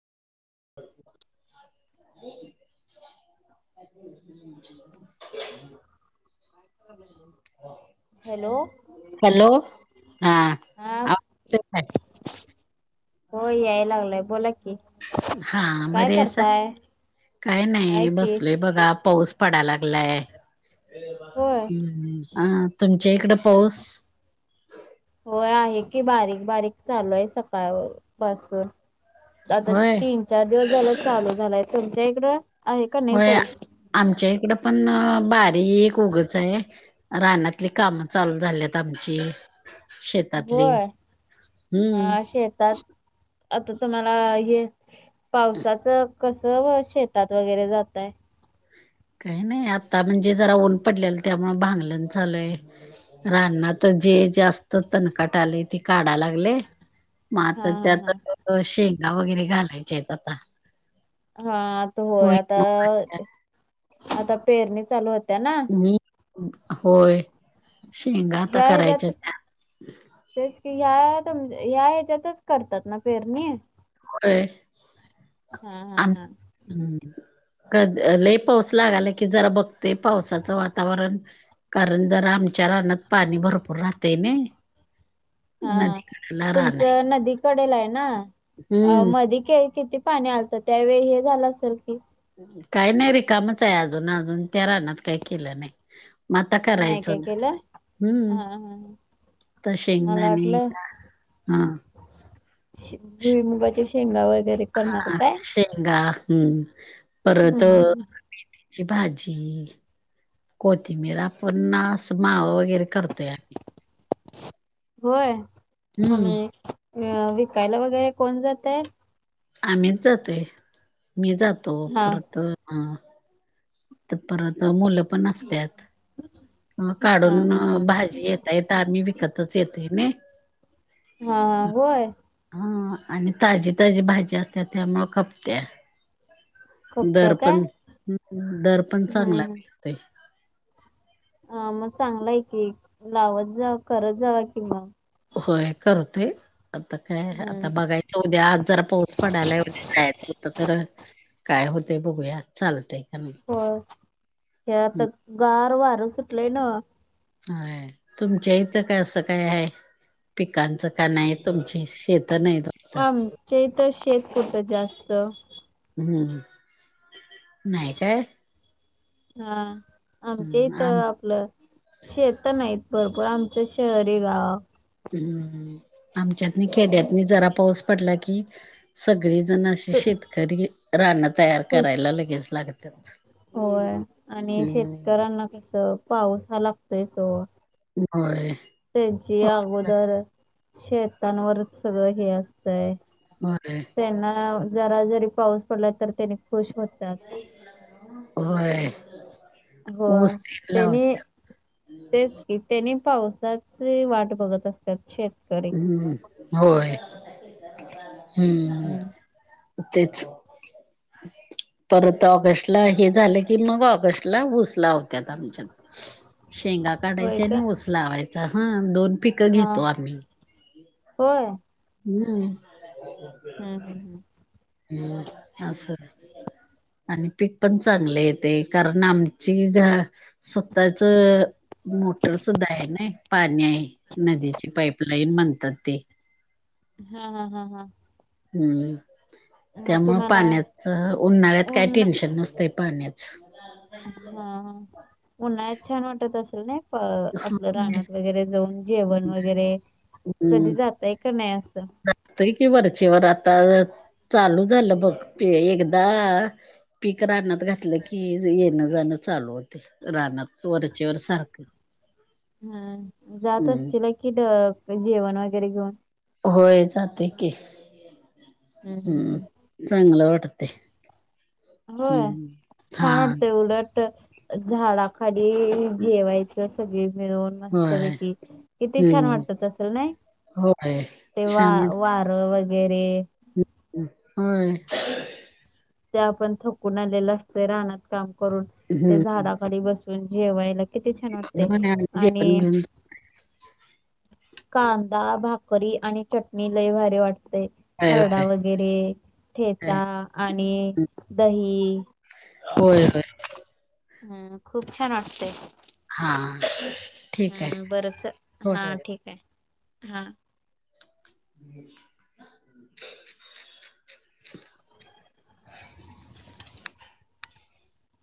[unintelligible] [unintelligible] Hello! Hello हा, हा आवाज येतोय काय? होय, याय लागलाय बोला की. हा काय बरी हायसा करताय काय आहे नाही, की बसलोय बघा पाऊस पडा लागलाय, होय तुमच्या इकडं पाऊस? होय, आहे की बारीक बारीक चालू हाय सकाळ पासून. आता होय तीन, चार दिवस झाल चालू झालाय, तुमच्या इकडं आहे का नाही होय पाऊस. आमच्या इकडं पण अ बारीक उगंच हाय. रानातली काम चालू झाल्यात आमची. शेतातली होय, हम्म अ शेतात आता तुम्हाला, हे पावसाचं कसं वो शेतात वगैरे जातायं? काही नाही, आता म्हणजे जरा ऊन पडलेलं त्यामुळं जरा भांगलंन चालूयं. राना जे जास्त तणकाट आलंय, ते काढाय लागलयं. मग आता हा हा हा त्यात शेंगा वगैरे घालायच्या हायतं आता. हा आ त होय, आता आता पेरणी चालू होत्या ना? मी होय. शेंगा आता या हेज्यात करायच्या तेच की ह्या येज्या- ह्या येज्यातचं करतात ना पेरणी? व्हयं. हा हा हा हम्म कध-लय पाऊस लागाला, की जरा बघतोय पावसाचं वातावरण. कारण, जरा आमच्या रानात पाणी भरपूर राहतयं नाय. हा रान आहे तुमचं नदी कडेला आहे ना हम्म मधी किती पाणी आलतं, त्यावेळी हे झालं असेल कि? काही नाही रिकामचं हाय, अजून अजून त्या रानात काही केलं नाही मग आता नाही काय करायचं, केलं? हा हम्म हा हा. तर मला शेंगदाणे वाटलं हा भुई मुबाचे शेंगला वगैरे करणार हा काय? शेंगा हम्म परत हम्म मेथीची भाजी. कोथिबीर पण अस माव वगैरे करतोय आम्ही. होय हम्म अनी अ विकायला वगैरे कोण जातय? आम्हीच जातोय मी जातो हा. परत तपरत मुलं हा काडून हा हा. भाजी येताता आ ताच येतोय नाही. हा हा होय हा आणि ताजी ताजी भाजी असत त्यामुळ कपत्या. खपत्या दर काय? पण दर पण चांगला मिळतोय अ मग चांगला आहे की लावत जा करत जावा कि मग. होय करतोय आता काय हम्म आता बघायच उद्या आज जरा पाऊस पडायला उद्या जायचं होतं खरं काय होते बघूया चालतय का नाही. हो हेता हम्म, गार वार सुटलंय ना. हा तुमच्या इथं काय असं काय आहे? पिकांचं काण तुमचे शेत नाही. वाटतं ममचे तर शेक कुट जास्त. हम्म नाही काय? हा आमच्या हम्म इथ आम आपलं शेत नाहीत भरपूर आमचं शहरी गाव हम्म्मम आमच्यात न खेड्यातनी जरा पाऊस पडला कि सगळीजण अशी शेतकरी राणं तयार करायला लगेच लागतत. होय आणि शेतकऱ्यांना कस पाऊस हा लागतोय ओ. होय. त्यांची पाऊस अगोदर शेतांवरच सगळं हे असतय. होय त्यांना जरा जरी पाऊस पडला तर त्याने खुश होतात. होय हो ऊस तेन त्यांनी लावत्यात तेच की त्यानी पावसाची वाट बघत असतात शेतकरी हम्म होय हम्म तेच परत ऑगस्टला हे झालं की मग ऑगस्टला ऊस ला आच्यात शेंगा होय काढायच्या आणि का ऊस लावायचा हा दोन पिकं हा घेतो आम्ही. होय. हम् हम हम हम हम् अस सर आणि पीक पण चांगले येत कारण आमची ग स्वतःचं मोटर सुद्धा आहे ना पाणी आहे नदीची पाईपलाईन म्हणतात ते? हा हा हा हा हम्म मग त्यामुळे तुम्हाला पाण्याच उन्हाळ्यात काय ऊन हा. टेन्शन नसतंय पाण्यात [unintelligible] हा उन्हाळत छान वाटत असल ना अ आपलं हम्म रानण्यात वगैरे जाऊन जेवण वगैरे तरी जातय का नाही तरी कि वरचेवर आता चालू झालं बघ एकदा पीक रानात घातलं की येणं जाणं चालू होते रानात वरचेवर सारखं हम जात हम्म असतील ल की जेवण वगैरे घेऊन होय जाते की हम्म हम्म हम् हम्म. चांगलं वाटते होय हम्म हा छान वाटतय उलट झाडाखाली जेवायचं सगळी मिळून होय मस्तपैकी किती छान हम्म वाटतात असेल ना होय तेव्हा छान वारं वगैरे हो ते आपण थकून आलेलं असत रानात काम करून ते हम्म झाडाखाली बसून जेवायला इथे छान वाटते म्हणे आम्ही आणि जेवण घेऊन कांदा भाकरी आणि चटणी लय भारी वाटते होय खरडा होय वगैरे ठेचा होय आणि दही होय होय हम्म खूप छान हा असटतेय ठीक आहे हम बरंच हा थोड्या ठीक आहे हा [unintelligible] [unintelligible]